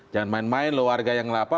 jangan main main loh warga yang ngelapa